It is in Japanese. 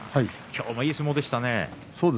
今日もいい相撲でしたね。